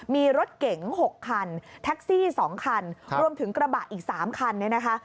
มีรถเก๋ง๖คันแท็กซี่๒คันรวมถึงกระบะอีก๓คันเนี่ยนะคะ